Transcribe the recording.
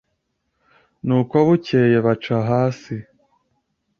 Nuko bukeye baca hasi